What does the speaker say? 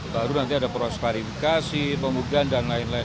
baru nanti ada prosparifikasi pembukaan dan lain lain